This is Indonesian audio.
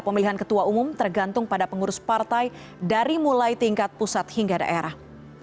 pemilihan ketua umum tergantung pada pengurus partai dari mulai tingkat pusat hingga daerah